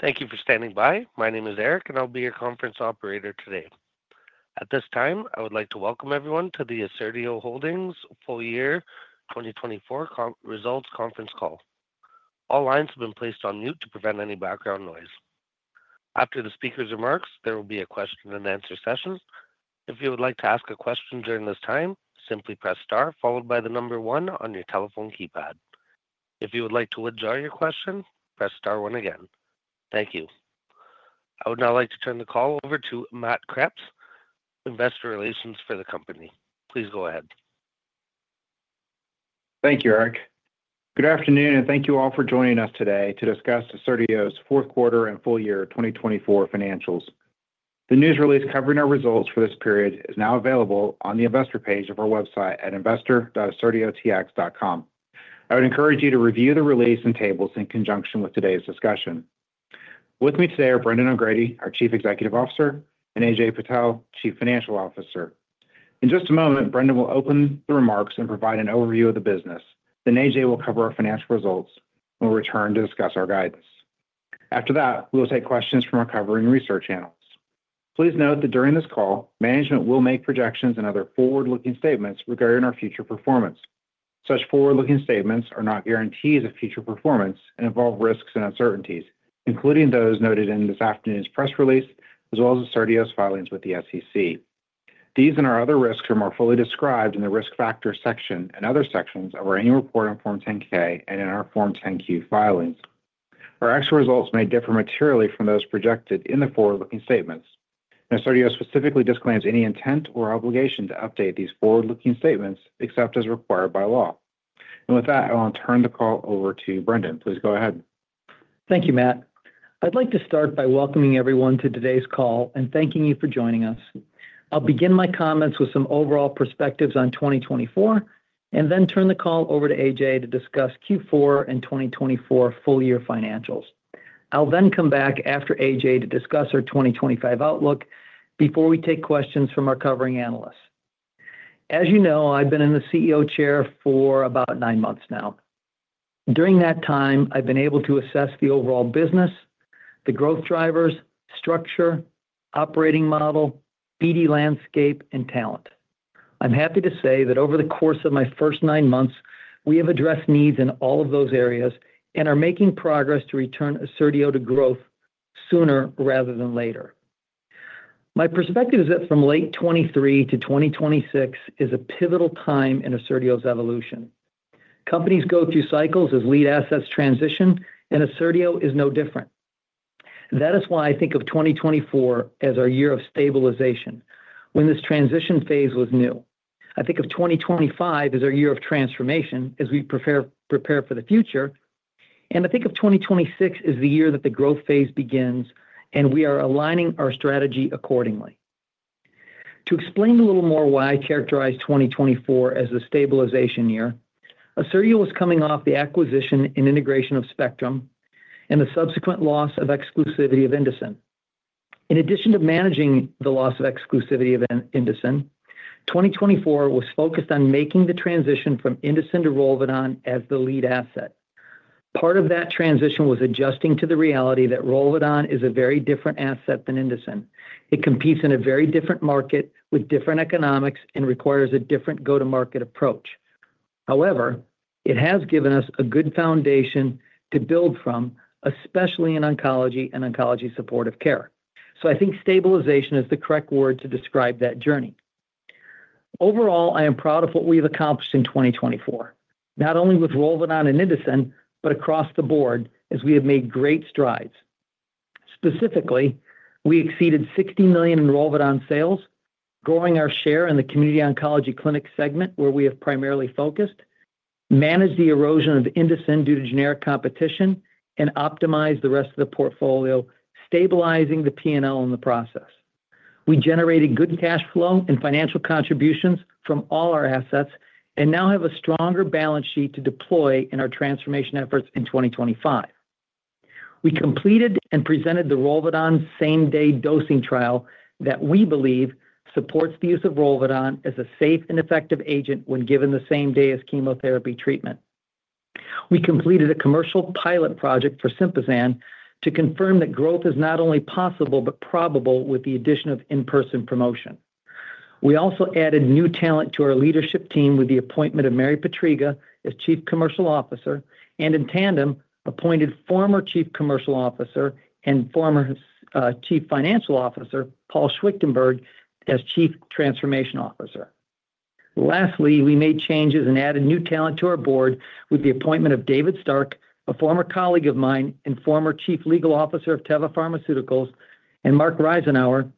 Thank you for standing by. My name is Eric, and I'll be your conference operator today. At this time, I would like to welcome everyone to the Assertio Holdings FY 2024 Results Conference Call. All lines have been placed on mute to prevent any background noise. After the speaker's remarks, there will be a question-and-answer session. If you would like to ask a question during this time, simply press star followed by the number one on your telephone keypad. If you would like to withdraw your question, press star one again. Thank you. I would now like to turn the call over to Matt Kreps, Investor Relations for the company. Please go ahead. Thank you, Eric. Good afternoon, and thank you all for joining us today to discuss Assertio's fourth quarter and full year 2024 financials. The news release covering our results for this period is now available on the investor page of our website at investor.assertiotx.com. I would encourage you to review the release and tables in conjunction with today's discussion. With me today are Brendan O'Grady, our Chief Executive Officer, and Ajay Patel, Chief Financial Officer. In just a moment, Brendan will open the remarks and provide an overview of the business, then Ajay will cover our financial results and will return to discuss our guidance. After that, we will take questions from our covering research analysts. Please note that during this call, management will make projections and other forward-looking statements regarding our future performance. Such forward-looking statements are not guarantees of future performance and involve risks and uncertainties, including those noted in this afternoon's press release as well as Assertio's filings with the SEC. These and our other risks are more fully described in the risk factors section and other sections of our annual report on Form 10-K and in our Form 10-Q filings. Our actual results may differ materially from those projected in the forward-looking statements. Assertio specifically disclaims any intent or obligation to update these forward-looking statements except as required by law. With that, I want to turn the call over to Brendan. Please go ahead. Thank you, Matt. I'd like to start by welcoming everyone to today's call and thanking you for joining us. I'll begin my comments with some overall perspectives on 2024 and then turn the call over to Ajay to discuss Q4 and 2024 full year financials. I'll then come back after Ajay to discuss our 2025 outlook before we take questions from our covering analysts. As you know, I've been in the CEO chair for about nine months now. During that time, I've been able to assess the overall business, the growth drivers, structure, operating model, BD landscape, and talent. I'm happy to say that over the course of my first nine months, we have addressed needs in all of those areas and are making progress to return Assertio to growth sooner rather than later. My perspective is that from late 2023 to 2026 is a pivotal time in Assertio's evolution. Companies go through cycles as lead assets transition, and Assertio is no different. That is why I think of 2024 as our year of stabilization when this transition phase was new. I think of 2025 as our year of transformation as we prepare for the future, and I think of 2026 as the year that the growth phase begins, and we are aligning our strategy accordingly. To explain a little more why I characterize 2024 as the stabilization year, Assertio was coming off the acquisition and integration of Spectrum and the subsequent loss of exclusivity of Indocin. In addition to managing the loss of exclusivity of Indocin, 2024 was focused on making the transition from Indocin to Rolvedon as the lead asset. Part of that transition was adjusting to the reality that Rolvedon is a very different asset than Indocin. It competes in a very different market with different economics and requires a different go-to-market approach. However, it has given us a good foundation to build from, especially in oncology and oncology supportive care. I think stabilization is the correct word to describe that journey. Overall, I am proud of what we've accomplished in 2024, not only with Rolvedon and Indocin, but across the board as we have made great strides. Specifically, we exceeded $60 million in Rolvedon sales, growing our share in the community oncology clinic segment where we have primarily focused, managed the erosion of Indocin due to generic competition, and optimized the rest of the portfolio, stabilizing the P&L in the process. We generated good cash flow and financial contributions from all our assets and now have a stronger balance sheet to deploy in our transformation efforts in 2025. We completed and presented the Rolvedon same-day dosing trial that we believe supports the use of Rolvedon as a safe and effective agent when given the same day as chemotherapy treatment. We completed a commercial pilot project for Sympazan to confirm that growth is not only possible but probable with the addition of in-person promotion. We also added new talent to our leadership team with the appointment of Mary Pietryga as Chief Commercial Officer and in tandem appointed former Chief Commercial Officer and former Chief Financial Officer Paul Schwichtenberg as Chief Transformation Officer. Lastly, we made changes and added new talent to our board with the appointment of David Stark, a former colleague of mine and former Chief Legal Officer of Teva Pharmaceuticals, and Mark Reisenauer,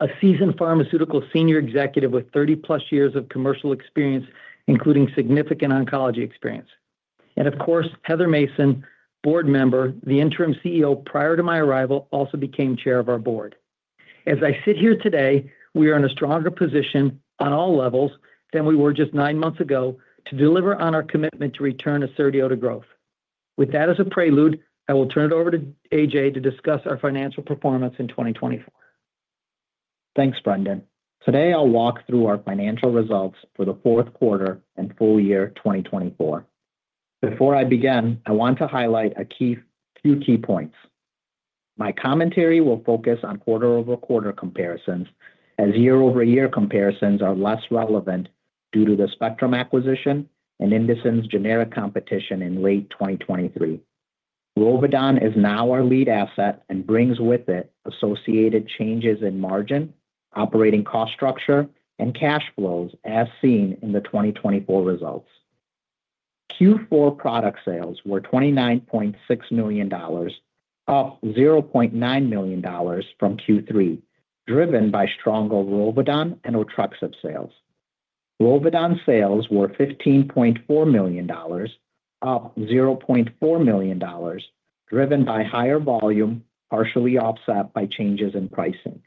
a seasoned pharmaceutical senior executive with 30-plus years of commercial experience, including significant oncology experience. Of course, Heather Mason, board member, the interim CEO prior to my arrival, also became chair of our board. As I sit here today, we are in a stronger position on all levels than we were just nine months ago to deliver on our commitment to return Assertio to growth. With that as a prelude, I will turn it over to Ajay to discuss our financial performance in 2024. Thanks, Brendan. Today, I'll walk through our financial results for the fourth quarter and full year 2024. Before I begin, I want to highlight a few key points. My commentary will focus on quarter-over-quarter comparisons as year-over-year comparisons are less relevant due to the Spectrum acquisition and Indocin's generic competition in late 2023. Rolvedon is now our lead asset and brings with it associated changes in margin, operating cost structure, and cash flows as seen in the 2024 results. Q4 product sales were $29.6 million, up $0.9 million from Q3, driven by stronger Rolvedon and Otrexup sales. Rolvedon sales were $15.4 million, up $0.4 million, driven by higher volume, partially offset by changes in pricing.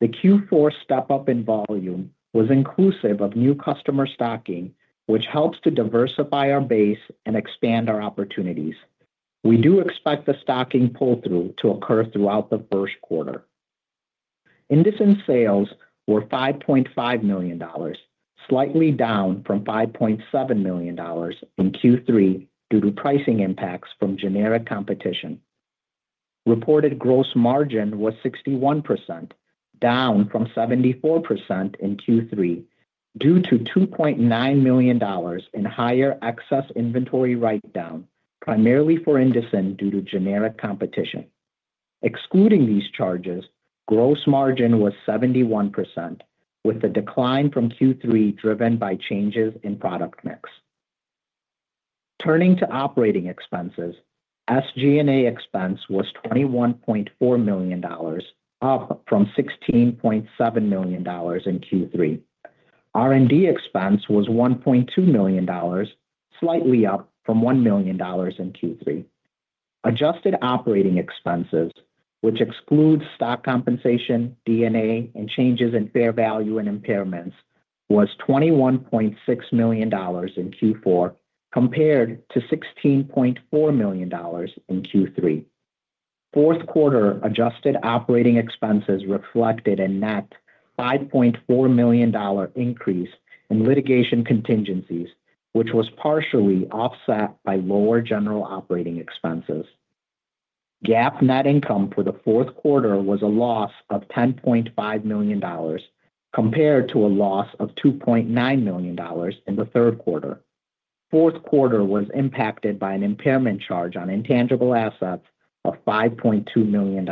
The Q4 step-up in volume was inclusive of new customer stocking, which helps to diversify our base and expand our opportunities. We do expect the stocking pull-through to occur throughout the first quarter. Indocin's sales were $5.5 million, slightly down from $5.7 million in Q3 due to pricing impacts from generic competition. Reported gross margin was 61%, down from 74% in Q3 due to $2.9 million in higher excess inventory write-down, primarily for Indocin due to generic competition. Excluding these charges, gross margin was 71%, with the decline from Q3 driven by changes in product mix. Turning to operating expenses, SG&A expense was $21.4 million, up from $16.7 million in Q3. R&D expense was $1.2 million, slightly up from $1 million in Q3. Adjusted operating expenses, which excludes stock compensation, D&A, and changes in fair value and impairments, was $21.6 million in Q4 compared to $16.4 million in Q3. Fourth quarter adjusted operating expenses reflected a net $5.4 million increase in litigation contingencies, which was partially offset by lower general operating expenses. GAAP net income for the fourth quarter was a loss of $10.5 million compared to a loss of $2.9 million in the third quarter. Fourth quarter was impacted by an impairment charge on intangible assets of $5.2 million.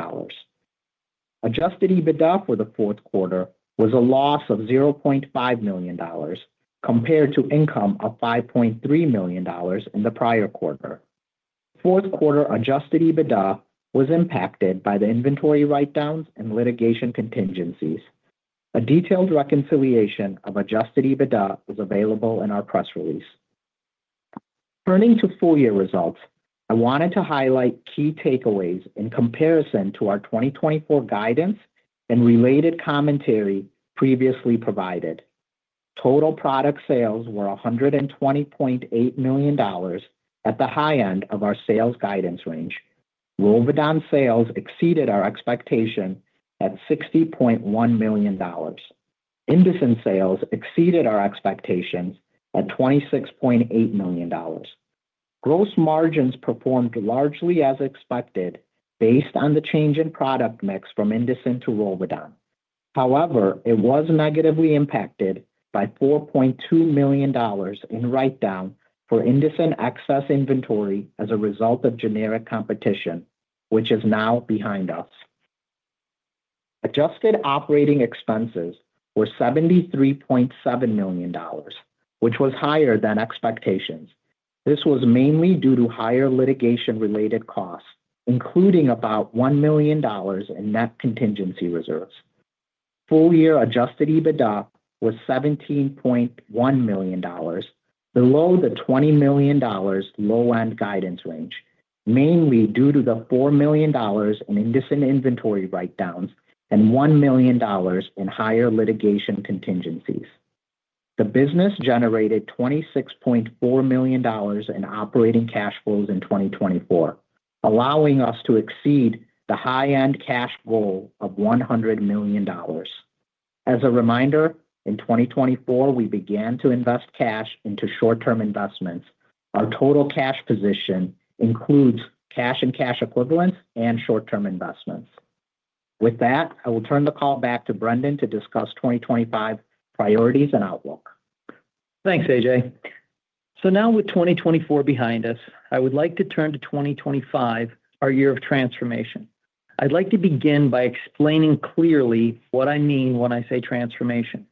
Adjusted EBITDA for the fourth quarter was a loss of $0.5 million compared to income of $5.3 million in the prior quarter. Fourth quarter adjusted EBITDA was impacted by the inventory write-downs and litigation contingencies. A detailed reconciliation of adjusted EBITDA was available in our press release. Turning to full year results, I wanted to highlight key takeaways in comparison to our 2024 guidance and related commentary previously provided. Total product sales were $120.8 million at the high end of our sales guidance range. Rolvedon sales exceeded our expectation at $60.1 million. Indocin sales exceeded our expectations at $26.8 million. Gross margins performed largely as expected based on the change in product mix from Indocin to Rolvedon. However, it was negatively impacted by $4.2 million in write-down for Indocin excess inventory as a result of generic competition, which is now behind us. Adjusted operating expenses were $73.7 million, which was higher than expectations. This was mainly due to higher litigation-related costs, including about $1 million in net contingency reserves. Full year adjusted EBITDA was $17.1 million, below the $20 million low-end guidance range, mainly due to the $4 million in Indocin inventory write-downs and $1 million in higher litigation contingencies. The business generated $26.4 million in operating cash flows in 2024, allowing us to exceed the high-end cash goal of $100 million. As a reminder, in 2024, we began to invest cash into short-term investments. Our total cash position includes cash and cash equivalents and short-term investments. With that, I will turn the call back to Brendan to discuss 2025 priorities and outlook. Thanks, Ajay. Now with 2024 behind us, I would like to turn to 2025, our year of transformation. I'd like to begin by explaining clearly what I mean when I say transformation.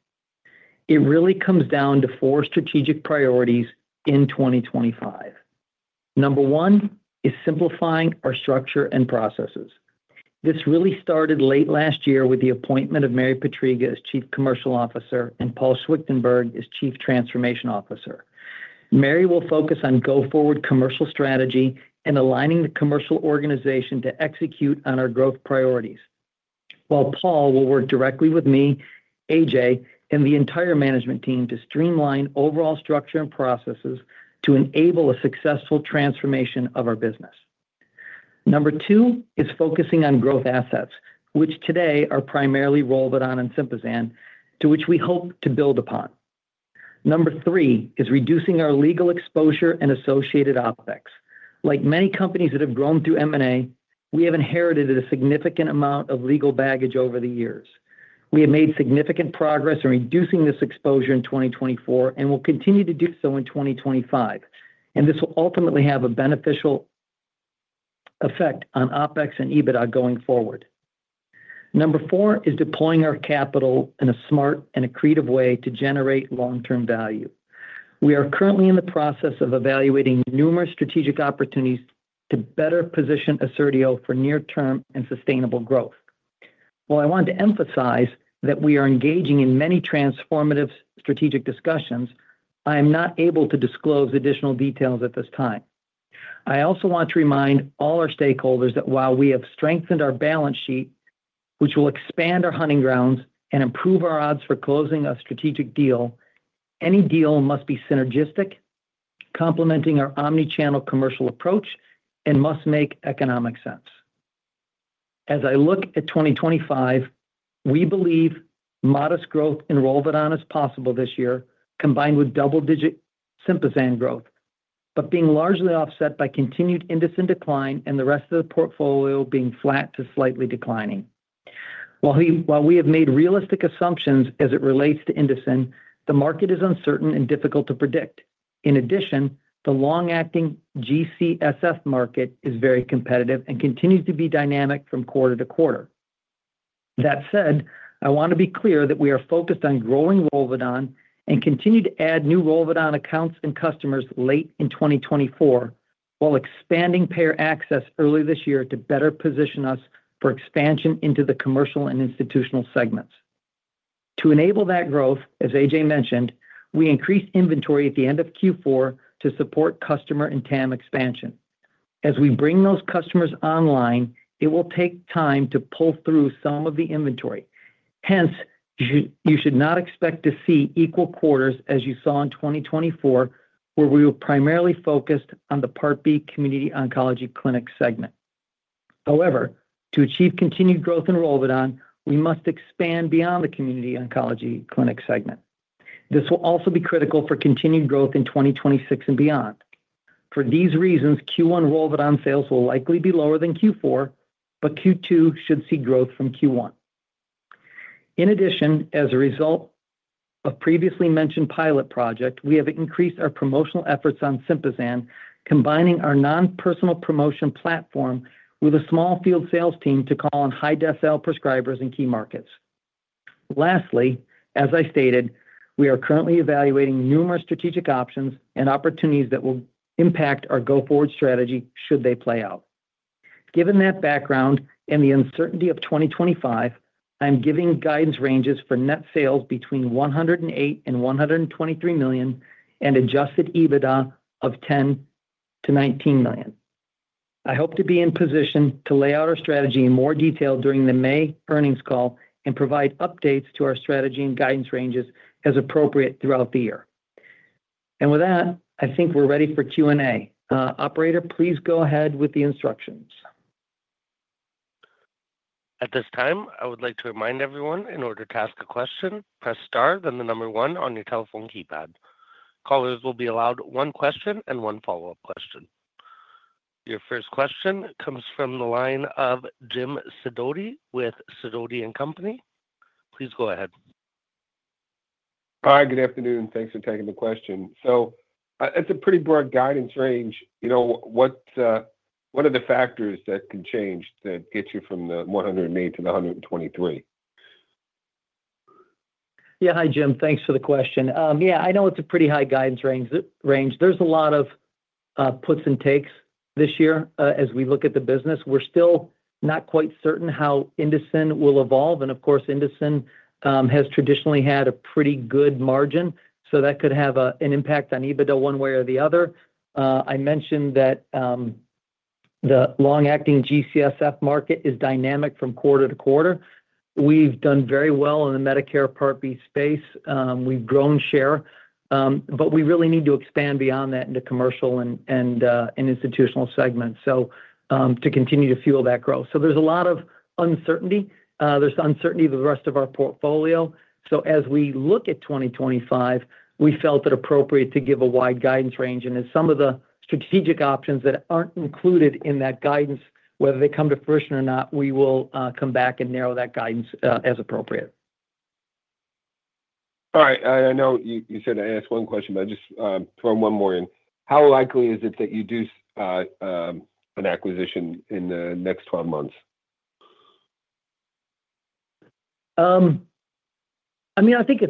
It really comes down to four strategic priorities in 2025. Number one is simplifying our structure and processes. This really started late last year with the appointment of Mary Pietryga as Chief Commercial Officer and Paul Schwichtenberg as Chief Transformation Officer. Mary will focus on go-forward commercial strategy and aligning the commercial organization to execute on our growth priorities, while Paul will work directly with me, Ajay, and the entire management team to streamline overall structure and processes to enable a successful transformation of our business. Number two is focusing on growth assets, which today are primarily Rolvedon and Sympazan, to which we hope to build upon. Number three is reducing our legal exposure and associated OpEx. Like many companies that have grown through M&A, we have inherited a significant amount of legal baggage over the years. We have made significant progress in reducing this exposure in 2024 and will continue to do so in 2025, and this will ultimately have a beneficial effect on OpEx and EBITDA going forward. Number four is deploying our capital in a smart and accretive way to generate long-term value. We are currently in the process of evaluating numerous strategic opportunities to better position Assertio for near-term and sustainable growth. While I want to emphasize that we are engaging in many transformative strategic discussions, I am not able to disclose additional details at this time. I also want to remind all our stakeholders that while we have strengthened our balance sheet, which will expand our hunting grounds and improve our odds for closing a strategic deal, any deal must be synergistic, complementing our omnichannel commercial approach, and must make economic sense. As I look at 2025, we believe modest growth in Rolvedon is possible this year, combined with double-digit Sympazan growth, but being largely offset by continued Indocin decline and the rest of the portfolio being flat to slightly declining. While we have made realistic assumptions as it relates to Indocin, the market is uncertain and difficult to predict. In addition, the long-acting G-CSF market is very competitive and continues to be dynamic from quarter to quarter. That said, I want to be clear that we are focused on growing Rolvedon and continue to add new Rolvedon accounts and customers late in 2024 while expanding payer access early this year to better position us for expansion into the commercial and institutional segments. To enable that growth, as Ajay mentioned, we increased inventory at the end of Q4 to support customer and TAM expansion. As we bring those customers online, it will take time to pull through some of the inventory. Hence, you should not expect to see equal quarters as you saw in 2024, where we were primarily focused on the Part B community oncology clinic segment. However, to achieve continued growth in Rolvedon, we must expand beyond the community oncology clinic segment. This will also be critical for continued growth in 2026 and beyond. For these reasons, Q1 Rolvedon sales will likely be lower than Q4, but Q2 should see growth from Q1. In addition, as a result of the previously mentioned pilot project, we have increased our promotional efforts on Sympazan, combining our non-personal promotion platform with a small field sales team to call on high-decile prescribers in key markets. Lastly, as I stated, we are currently evaluating numerous strategic options and opportunities that will impact our go-forward strategy should they play out. Given that background and the uncertainty of 2025, I'm giving guidance ranges for net sales between $108 million and $123 million and adjusted EBITDA of $10 million to $19 million. I hope to be in position to lay out our strategy in more detail during the May earnings call and provide updates to our strategy and guidance ranges as appropriate throughout the year. I think we're ready for Q&A. Operator, please go ahead with the instructions. At this time, I would like to remind everyone in order to ask a question, press Star, then the number one on your telephone keypad. Callers will be allowed one question and one follow-up question. Your first question comes from the line of Jim Sidoti with Sidoti & Company. Please go ahead. Hi, good afternoon. Thanks for taking the question. It's a pretty broad guidance range. What are the factors that can change to get you from the $108 million to the $123 million? Yeah, hi, Jim. Thanks for the question. Yeah, I know it's a pretty high guidance range. There's a lot of puts and takes this year as we look at the business. We're still not quite certain how Indocin will evolve. Indocin has traditionally had a pretty good margin, so that could have an impact on EBITDA one way or the other. I mentioned that the long-acting G-CSF market is dynamic from quarter to quarter. We've done very well in the Medicare Part B space. We've grown share, but we really need to expand beyond that into commercial and institutional segments to continue to fuel that growth. There's a lot of uncertainty. There's uncertainty of the rest of our portfolio. As we look at 2025, we felt it appropriate to give a wide guidance range. As some of the strategic options that are not included in that guidance, whether they come to fruition or not, we will come back and narrow that guidance as appropriate. All right. I know you said to ask one question, but I just throw one more in. How likely is it that you do an acquisition in the next 12 months? I mean, I think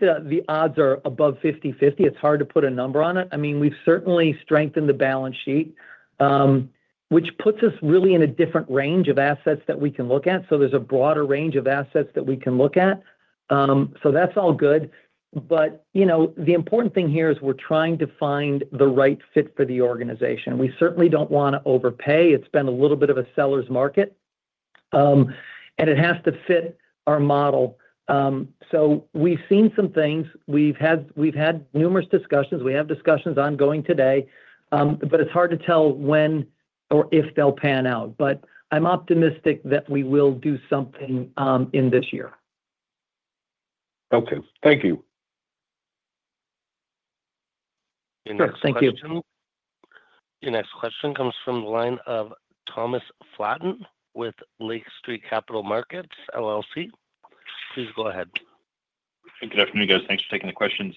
the odds are above 50/50. It's hard to put a number on it. I mean, we've certainly strengthened the balance sheet, which puts us really in a different range of assets that we can look at. There is a broader range of assets that we can look at. That's all good. The important thing here is we're trying to find the right fit for the organization. We certainly don't want to overpay. It's been a little bit of a seller's market, and it has to fit our model. We've seen some things. We've had numerous discussions. We have discussions ongoing today, but it's hard to tell when or if they'll pan out. I'm optimistic that we will do something in this year. Okay. Thank you. Thank you. Your next question comes from the line of Thomas Flaten with Lake Street Capital Markets, LLC. Please go ahead. Good afternoon, guys. Thanks for taking the questions.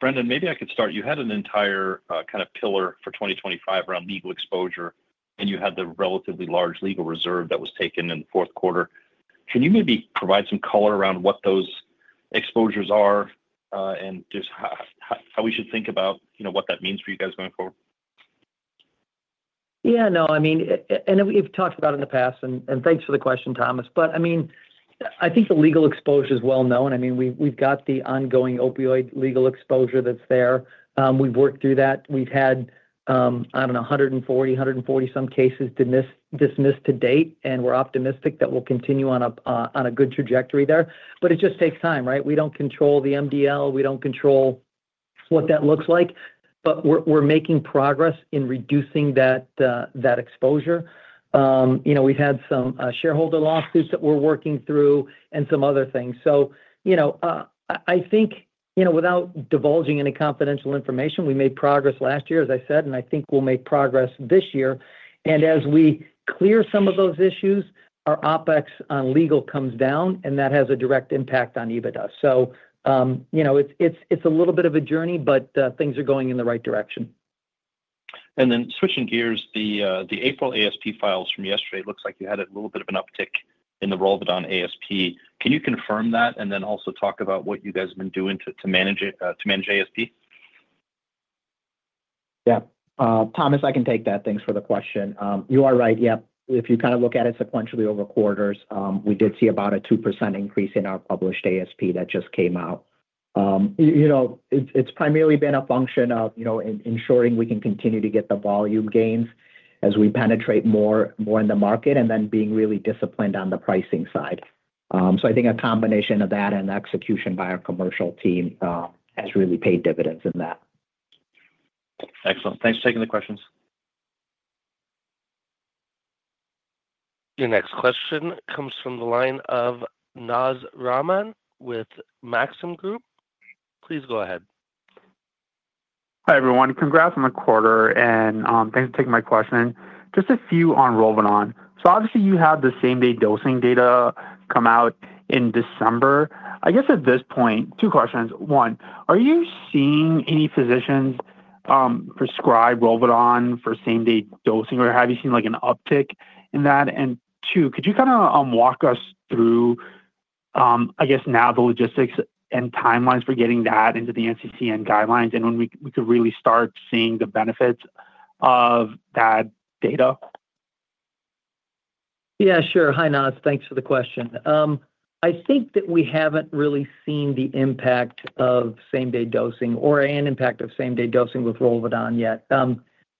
Brendan, maybe I could start. You had an entire kind of pillar for 2025 around legal exposure, and you had the relatively large legal reserve that was taken in the fourth quarter. Can you maybe provide some color around what those exposures are and just how we should think about what that means for you guys going forward? Yeah, no, I mean, and we've talked about it in the past, and thanks for the question, Thomas. I mean, I think the legal exposure is well known. I mean, we've got the ongoing opioid legal exposure that's there. We've worked through that. We've had, I don't know, 140, 140-some cases dismissed to date, and we're optimistic that we'll continue on a good trajectory there. It just takes time, right? We don't control the MDL. We don't control what that looks like, but we're making progress in reducing that exposure. We've had some shareholder lawsuits that we're working through and some other things. I think without divulging any confidential information, we made progress last year, as I said, and I think we'll make progress this year. As we clear some of those issues, our OpEx on legal comes down, and that has a direct impact on EBITDA. It is a little bit of a journey, but things are going in the right direction. Switching gears, the April ASP files from yesterday look like you had a little bit of an uptick in the Rolvedon ASP. Can you confirm that and then also talk about what you guys have been doing to manage ASP? Yeah. Thomas, I can take that. Thanks for the question. You are right. Yep. If you kind of look at it sequentially over quarters, we did see about a 2% increase in our published ASP that just came out. It has primarily been a function of ensuring we can continue to get the volume gains as we penetrate more in the market and then being really disciplined on the pricing side. I think a combination of that and execution by our commercial team has really paid dividends in that. Excellent. Thanks for taking the questions. Your next question comes from the line of Naz Rahman with Maxim Group. Please go ahead. Hi everyone. Congrats on the quarter, and thanks for taking my question. Just a few on Rolvedon. Obviously, you had the same-day dosing data come out in December. I guess at this point, two questions. One, are you seeing any physicians prescribe Rolvedon for same-day dosing, or have you seen an uptick in that? Two, could you kind of walk us through, I guess, now the logistics and timelines for getting that into the NCCN guidelines and when we could really start seeing the benefits of that data? Yeah, sure. Hi, Naz. Thanks for the question. I think that we haven't really seen the impact of same-day dosing or an impact of same-day dosing with Rolvedon yet.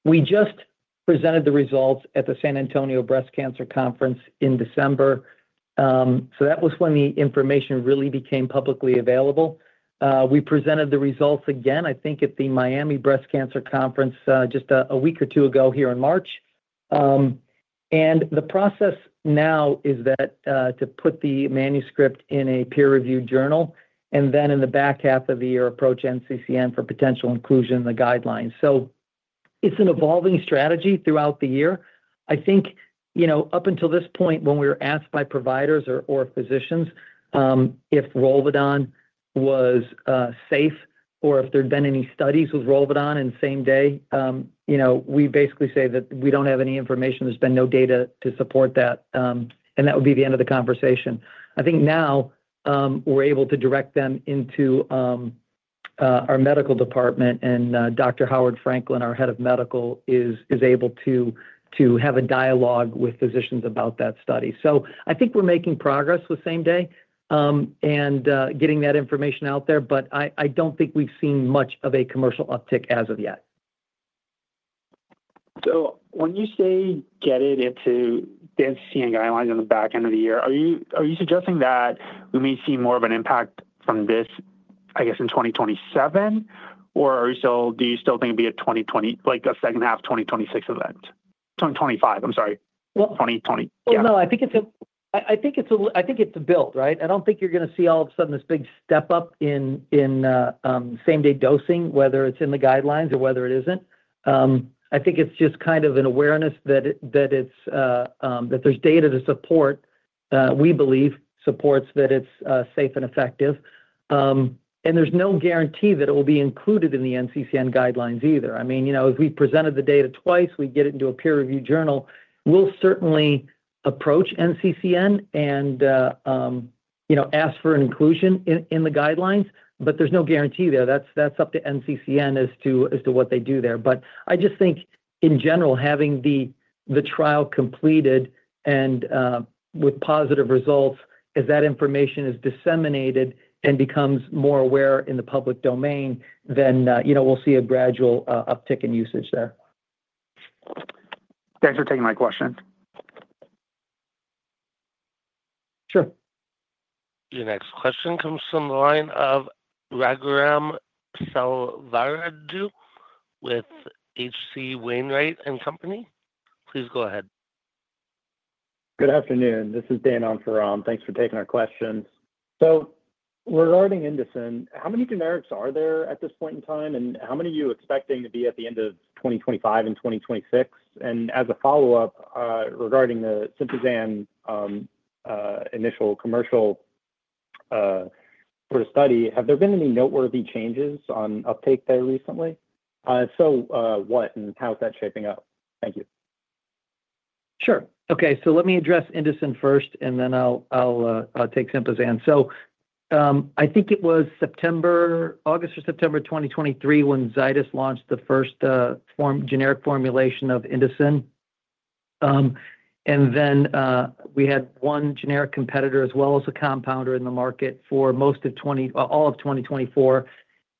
We just presented the results at the San Antonio Breast Cancer Conference in December. That was when the information really became publicly available. We presented the results again, I think, at the Miami Breast Cancer Conference just a week or two ago here in March. The process now is to put the manuscript in a peer-reviewed journal and then in the back half of the year approach NCCN for potential inclusion in the guidelines. It is an evolving strategy throughout the year. I think up until this point, when we were asked by providers or physicians if Rolvedon was safe or if there had been any studies with Rolvedon in same-day, we basically say that we do not have any information. There has been no data to support that, and that would be the end of the conversation. I think now we are able to direct them into our medical department, and Dr. Howard Franklin, our Head of Medical, is able to have a dialogue with physicians about that study. I think we are making progress with same-day and getting that information out there, but I do not think we have seen much of a commercial uptick as of yet. When you say get it into the NCCN guidelines in the back end of the year, are you suggesting that we may see more of an impact from this, I guess, in 2027, or do you still think it'd be a second half 2026 event? 2025, I'm sorry. I think it's a build, right? I don't think you're going to see all of a sudden this big step up in same-day dosing, whether it's in the guidelines or whether it isn't. I think it's just kind of an awareness that there's data to support, we believe, supports that it's safe and effective. There is no guarantee that it will be included in the NCCN guidelines either. I mean, as we presented the data twice, we get it into a peer-reviewed journal. We'll certainly approach NCCN and ask for an inclusion in the guidelines, but there's no guarantee there. That's up to NCCN as to what they do there. I just think, in general, having the trial completed and with positive results, as that information is disseminated and becomes more aware in the public domain, then we'll see a gradual uptick in usage there. Thanks for taking my question. Sure. Your next question comes from the line of Raghuram Selvaraju with H.C. Wainwright & Company. Please go ahead. Good afternoon. This is Dan on for Ram. Thanks for taking our questions. Regarding Indocin, how many generics are there at this point in time, and how many are you expecting to be at the end of 2025 and 2026? As a follow-up regarding the Sympazan initial commercial study, have there been any noteworthy changes on uptake there recently? If so, what, and how is that shaping up? Thank you. Sure. Okay. Let me address Indocin first, and then I'll take Sympazan. I think it was August or September 2023 when Zydus launched the first generic formulation of Indocin. We had one generic competitor as well as a compounder in the market for most of all of 2024.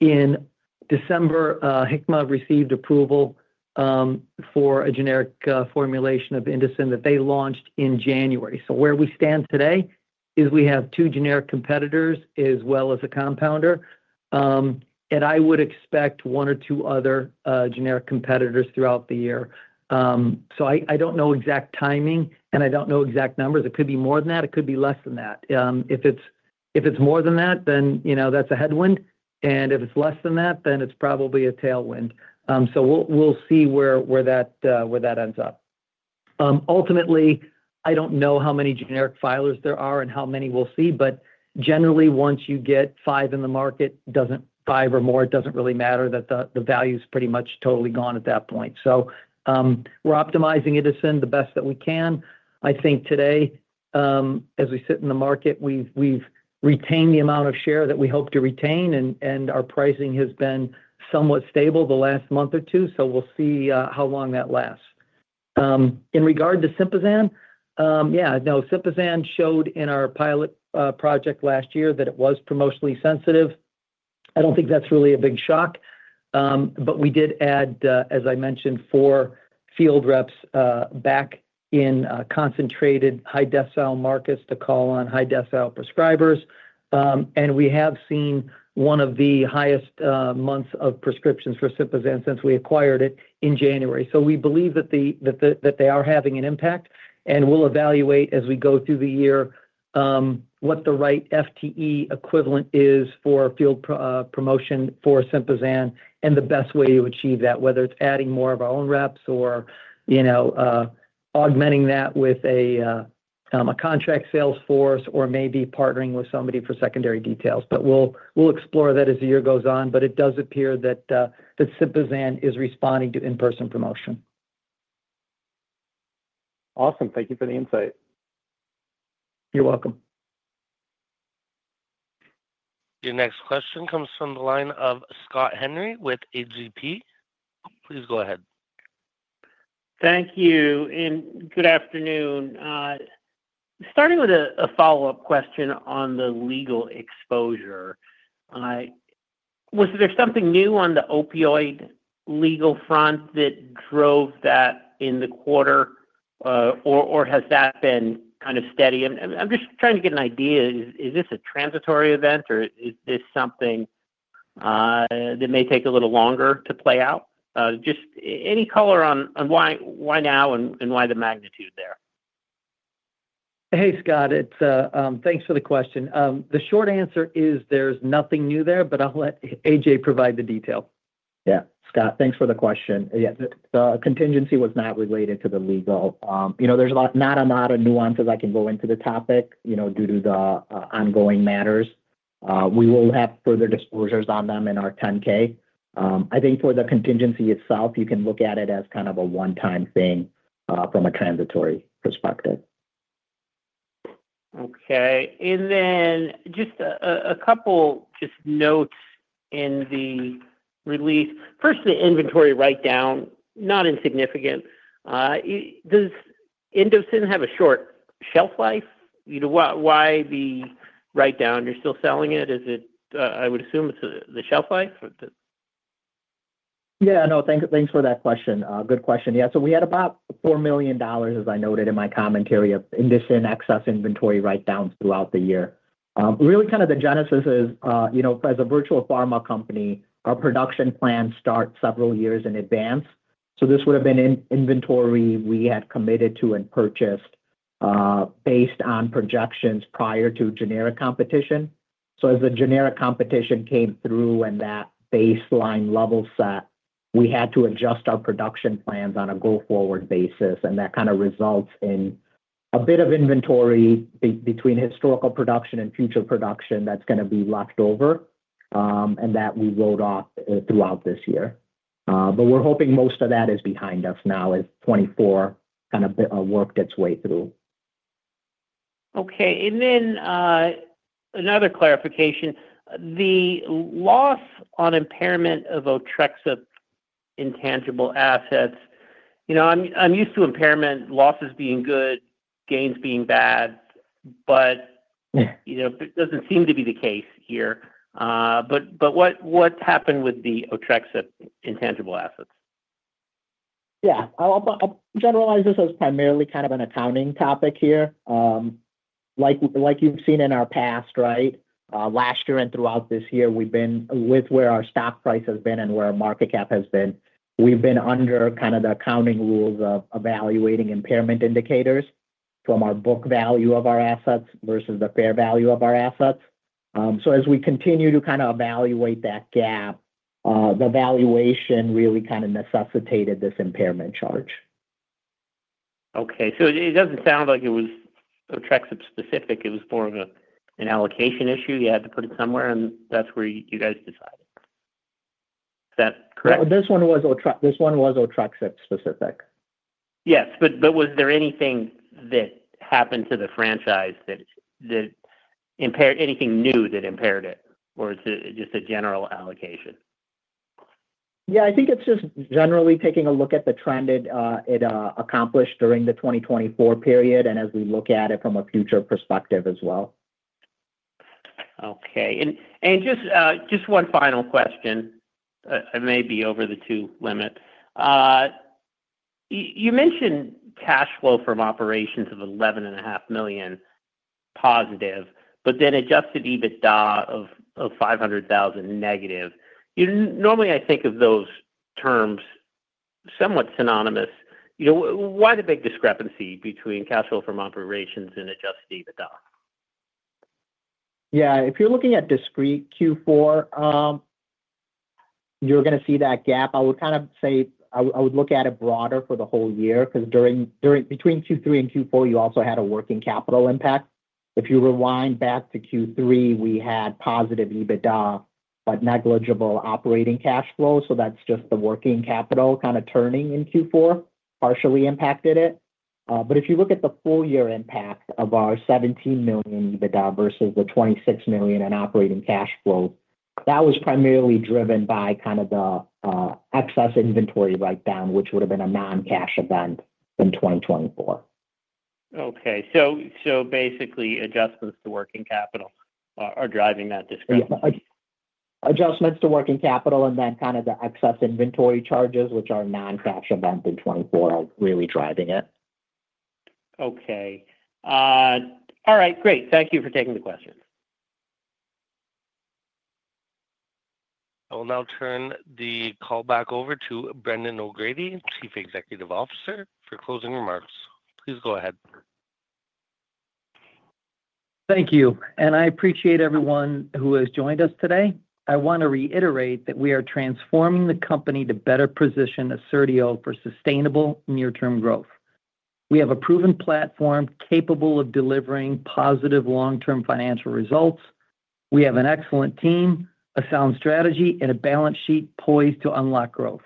In December, Hikma received approval for a generic formulation of Indocin that they launched in January. Where we stand today is we have two generic competitors as well as a compounder. I would expect one or two other generic competitors throughout the year. I don't know exact timing, and I don't know exact numbers. It could be more than that. It could be less than that. If it's more than that, then that's a headwind. If it's less than that, then it's probably a tailwind. We'll see where that ends up. Ultimately, I don't know how many generic filers there are and how many we'll see, but generally, once you get five in the market, five or more, it doesn't really matter that the value's pretty much totally gone at that point. We are optimizing Indocin the best that we can. I think today, as we sit in the market, we've retained the amount of share that we hope to retain, and our pricing has been somewhat stable the last month or two. We will see how long that lasts. In regard to Sympazan, yeah, no, Sympazan showed in our pilot project last year that it was promotionally sensitive. I don't think that's really a big shock, but we did add, as I mentioned, four field reps back in concentrated high decile markers to call on high decile prescribers. We have seen one of the highest months of prescriptions for Sympazan since we acquired it in January. We believe that they are having an impact, and we'll evaluate as we go through the year what the right FTE equivalent is for field promotion for Sympazan and the best way to achieve that, whether it's adding more of our own reps or augmenting that with a contract sales force or maybe partnering with somebody for secondary details. We'll explore that as the year goes on, but it does appear that Sympazan is responding to in-person promotion. Awesome. Thank you for the insight. You're welcome. Your next question comes from the line of Scott Henry with AGP. Please go ahead. Thank you. Good afternoon. Starting with a follow-up question on the legal exposure, was there something new on the opioid legal front that drove that in the quarter, or has that been kind of steady? I'm just trying to get an idea. Is this a transitory event, or is this something that may take a little longer to play out? Just any color on why now and why the magnitude there? Hey, Scott. Thanks for the question. The short answer is there's nothing new there, but I'll let Ajay provide the detail. Yeah, Scott, thanks for the question. Yeah, the contingency was not related to the legal. There's not a lot of nuances I can go into the topic due to the ongoing matters. We will have further disclosures on them in our 10-K. I think for the contingency itself, you can look at it as kind of a one-time thing from a transitory perspective. Okay. And then just a couple just notes in the release. First, the inventory write-down, not insignificant. Does Indocin have a short shelf life? Why the write-down? You're still selling it? I would assume it's the shelf life? Yeah. No, thanks for that question. Good question. Yeah. We had about $4 million, as I noted in my commentary, of Indocin excess inventory write-downs throughout the year. Really, kind of the genesis is, as a virtual pharma company, our production plans start several years in advance. This would have been inventory we had committed to and purchased based on projections prior to generic competition. As the generic competition came through and that baseline level set, we had to adjust our production plans on a go-forward basis, and that kind of results in a bit of inventory between historical production and future production that's going to be left over and that we wrote off throughout this year. We're hoping most of that is behind us now as 2024 kind of worked its way through. Okay. Another clarification. The loss on impairment of Otrexup intangible assets, I'm used to impairment losses being good, gains being bad, but it does not seem to be the case here. What happened with the Otrexup intangible assets? Yeah. I'll generalize this as primarily kind of an accounting topic here. Like you've seen in our past, right, last year and throughout this year, we've been with where our stock price has been and where our market cap has been, we've been under kind of the accounting rules of evaluating impairment indicators from our book value of our assets versus the fair value of our assets. As we continue to kind of evaluate that gap, the valuation really kind of necessitated this impairment charge. Okay. It does not sound like it was Otrexup specific. It was more of an allocation issue. You had to put it somewhere, and that is where you guys decided. Is that correct? This one was Otrexup specific. Yes. Was there anything that happened to the franchise that impaired anything new that impaired it, or is it just a general allocation? Yeah. I think it's just generally taking a look at the trend it accomplished during the 2024 period and as we look at it from a future perspective as well. Okay. Just one final question, maybe over the two limits. You mentioned cash flow from operations of $11.5 million positive, but then adjusted EBITDA of $500,000 negative. Normally, I think of those terms somewhat synonymous. Why the big discrepancy between cash flow from operations and adjusted EBITDA? Yeah. If you're looking at discrete Q4, you're going to see that gap. I would kind of say I would look at it broader for the whole year because between Q3 and Q4, you also had a working capital impact. If you rewind back to Q3, we had positive EBITDA but negligible operating cash flow. That's just the working capital kind of turning in Q4 partially impacted it. If you look at the full year impact of our $17 million EBITDA versus the $26 million in operating cash flow, that was primarily driven by kind of the excess inventory write-down, which would have been a non-cash event in 2024. Okay. So basically, adjustments to working capital are driving that discrepancy? Adjustments to working capital and then kind of the excess inventory charges, which are a non-cash event in 2024, are really driving it. Okay. All right. Great. Thank you for taking the question. I will now turn the call back over to Brendan O'Grady, Chief Executive Officer, for closing remarks. Please go ahead. Thank you. I appreciate everyone who has joined us today. I want to reiterate that we are transforming the company to better position Assertio for sustainable near-term growth. We have a proven platform capable of delivering positive long-term financial results. We have an excellent team, a sound strategy, and a balance sheet poised to unlock growth.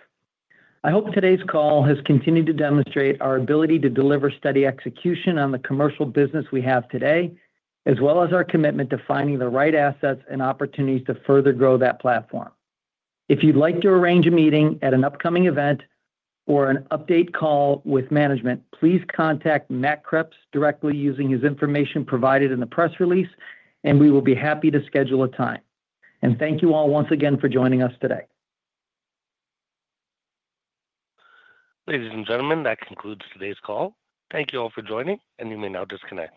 I hope today's call has continued to demonstrate our ability to deliver steady execution on the commercial business we have today, as well as our commitment to finding the right assets and opportunities to further grow that platform. If you'd like to arrange a meeting at an upcoming event or an update call with management, please contact Matt Kreps directly using his information provided in the press release, and we will be happy to schedule a time. Thank you all once again for joining us today. Ladies and gentlemen, that concludes today's call. Thank you all for joining, and you may now disconnect.